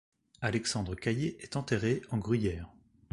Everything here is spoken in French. Alexandre Cailler est enterré en Gruyère.